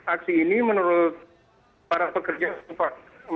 aksi ini menurut para pekerja sempat